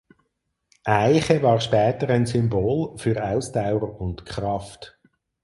Eiche war später ein Symbol für Ausdauer und Kraft.